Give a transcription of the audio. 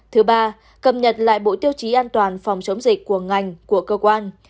thứ ba cập nhật lại bộ tiêu chí an toàn phòng chống dịch của ngành của cơ quan